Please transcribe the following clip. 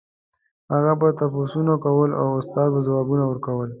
هغه به تپوسونه کول او استاد به ځوابونه ورکول.